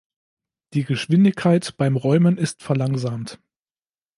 Die Geschwindigkeit beim Räumen ist verlangsamt.